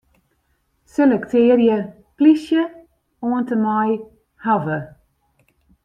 Selektearje 'plysje' oant en mei 'hawwe'.